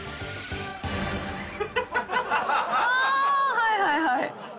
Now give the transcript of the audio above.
はいはいはい。